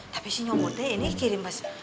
tapi si nyomud teh ini kirim